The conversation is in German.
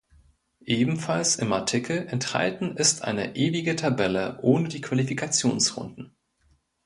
Ebenfalls im Artikel enthalten ist eine Ewige Tabelle ohne die Qualifikationsrunden.